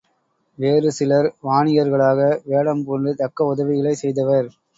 வேறு சிலர் வாணிகர்களாக வேடம் பூண்டு தக்க உதவிகளைச் செய்தவர்.